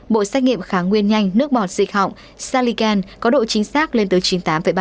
bộ xét nghiệm kháng nguyên nhanh nước bọt dịch họng saligan có độ chính xác lên tới chín mươi tám ba mươi tám